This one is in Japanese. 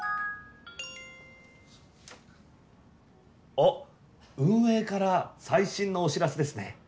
あっ運営から最新のお知らせですね